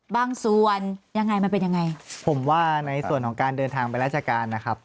บางส่วนยังไงมันเป็นยังไงผมว่าในส่วนของการเดินทางไปราชการนะครับ